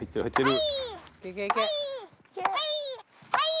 呂はいはい！